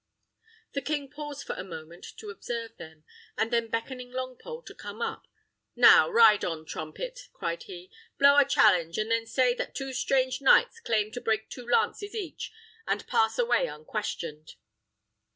The king paused for a moment to observe them, and then beckoning Longpole to come up, "Now, ride on, trumpet!" cried he; "blow a challenge, and then say that two strange knights claim to break two lances each, and pass away unquestioned."